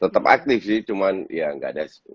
tetap aktif sih cuman ya nggak ada